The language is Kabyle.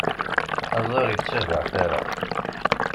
Aẓar ittabaɛ tara.